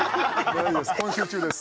今週中です